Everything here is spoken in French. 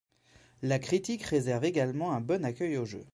La critique réserve également un bon accueil au jeu.